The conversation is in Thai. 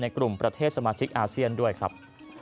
กลุ่มประเทศสมาชิกอาเซียนด้วยครับ